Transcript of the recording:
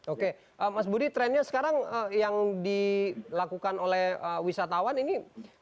oke mas budi trennya sekarang yang dilakukan oleh wisatawan ini